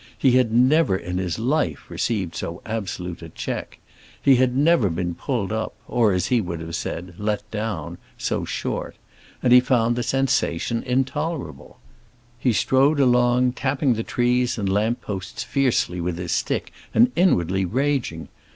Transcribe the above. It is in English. He had never in his life received so absolute a check; he had never been pulled up, or, as he would have said, "let down," so short; and he found the sensation intolerable; he strode along, tapping the trees and lamp posts fiercely with his stick and inwardly raging.